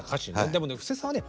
でもね布施さんはね